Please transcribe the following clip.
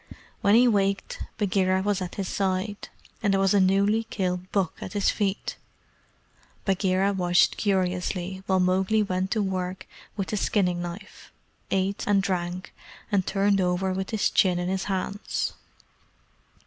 When he waked, Bagheera was at his side, and there was a newly killed buck at his feet. Bagheera watched curiously while Mowgli went to work with his skinning knife, ate and drank, and turned over with his chin in his hands.